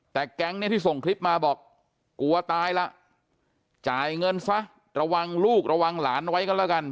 แต่การที่ส่งคลิปมาบอกกลัวตายละจ่ายเงินซะระวังลูกระวังหลาน